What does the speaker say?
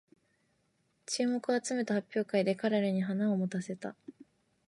注目を集めた発表会で彼らに花を持たせた